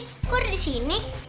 kok udah disini